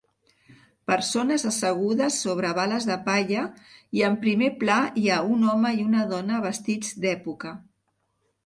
Persones assegudes sobre bales de palla i en primer pla hi ha un home i una dona vestits d'època.